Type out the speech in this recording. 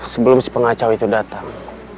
sebelum si pengacau itu datang